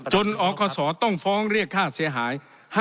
อคศต้องฟ้องเรียกค่าเสียหาย